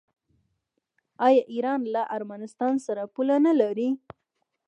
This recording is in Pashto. آیا ایران له ارمنستان سره پوله نلري؟